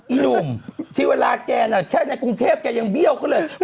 หนุ่มที่เวลาแกน่ะแค่ในกรุงเทพแกยังเบี้ยวเขาเลย